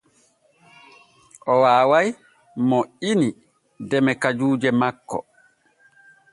O waaway moƴƴini deme kajuuje makko.